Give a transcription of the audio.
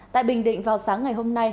tại bình định vào sáng ngày hôm nay